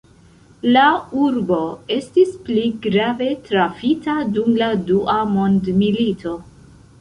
La urbo estis pli grave trafita dum la dua mondmilito.